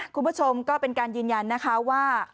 คุณผู้ชมก็เป็นการยืนยันนะคะว่า